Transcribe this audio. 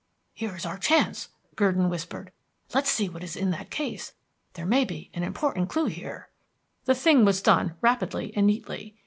"Here is our chance," Gurdon whispered. "Let's see what is in that case. There may be an important clue here." The thing was done rapidly and neatly.